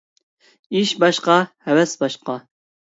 ئىش باشقا، ھەۋەس باشقا.